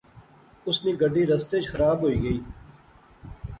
اس نی گڈی رستے اچ خراب ہوئی غئی